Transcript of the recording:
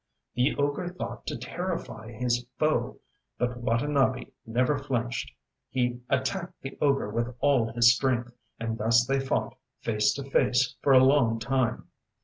The ogre thought to terrify his foe, but Watanabe never flinched. He attacked the ogre with all his strength, and thus they fought face to face for a long time.